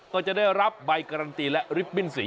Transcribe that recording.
ก็จะได้รับใบการันตีและริบบิ้นสี